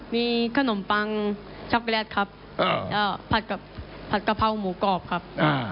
มีขนมปังช็อกโกแลตครับผัดกับผัดกะเพราหมูกรอบครับ